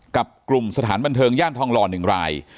กับกลุ่มสถานบันเทิงย่านทองหล่อ๑ราย